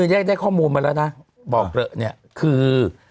นี่ได้ข้อมูลมาแล้วนะบอกเนี่ยคือ